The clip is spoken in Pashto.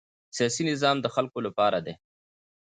سیاسي نظام د خلکو لپاره دی